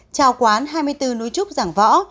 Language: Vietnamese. chào quán hai mươi bốn núi trúc giảng võ